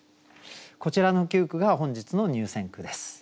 こちらの９句が本日の入選句です。